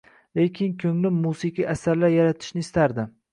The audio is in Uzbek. Lekin ko’nglim musiqiy asarlar yaratishni istardi.